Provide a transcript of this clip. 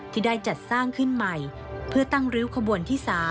ที่ได้จัดสร้างขึ้นใหม่เพื่อตั้งริ้วขบวนที่๓